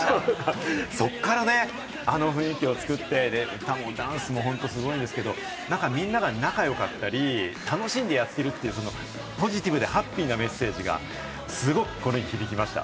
そこからあの雰囲気を作って、歌もダンスも本当にすごいんですけど、みんなが仲良かったり、楽しんでやってるというポジティブでハッピーなメッセージがすごく心に響きました。